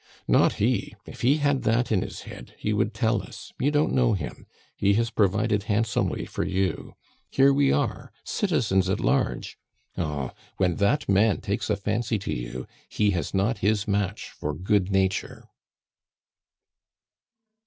"Not he! If he had that in his head, he would tell us; you don't know him. He has provided handsomely for you. Here we are, citizens at large! Oh, when that man takes a fancy to you, he has not his match for good nature."